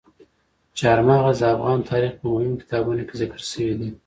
چار مغز د افغان تاریخ په مهمو کتابونو کې ذکر شوي دي.